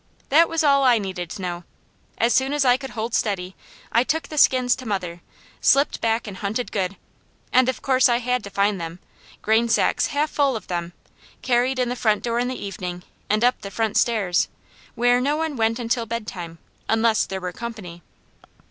That was all I needed to know. As soon as I could hold steady, I took the skins to mother, slipped back and hunted good; and of course I had to find them grainsacks half full of them carried in the front door in the evening, and up the front stairs, where no one went until bedtime, unless there were company.